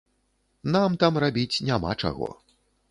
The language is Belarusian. Нам там рабіць няма чаго.